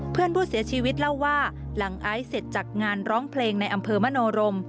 เพื่อนผู้เสียชีวิตเล่าว่าหลังไอซ์เสร็จจากงานร้องเพลงในอำเภอมโนรม